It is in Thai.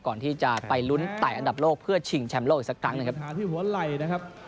ก่อนที่จะไปลุ้นไต่อันดับโลกเพื่อชิงแชมป์โลกอีกสักครั้งนะครับ